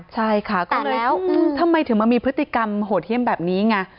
ใช่ค่ะก็แล้วทำไมถึงมามีพฤติกรรมโหดเยี่ยมแบบนี้ไง